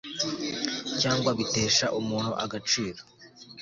cyangwa bitesha umuntu agaciro